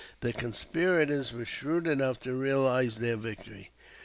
The conspirators were shrewd enough to realize their victory.